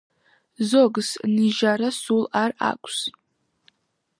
ზოგს ნიჟარა სულ არ აქვს.